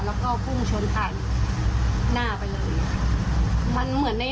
แล้วก็พุ่งชนผ่านหน้าไปเลย